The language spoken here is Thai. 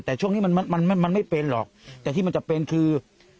แต่ช่วงนี้มันไม่เป็นหรอกแต่ที่มันจะเป็นคือ